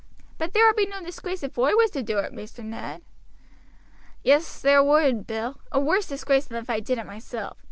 "But there would be no disgrace if oi was to do it, Maister Ned." "Yes, there would, Bill a worse disgrace than if I did it myself.